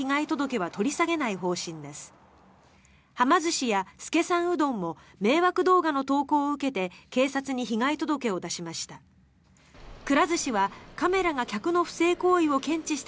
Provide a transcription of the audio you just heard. はま寿司や資さんうどんも迷惑動画の投稿を受けて警察に被害届を出しました。